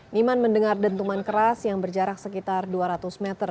niman mendengar dentuman keras yang berjarak sekitar dua ratus meter